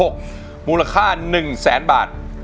คุณยายแดงคะทำไมต้องซื้อลำโพงและเครื่องเสียง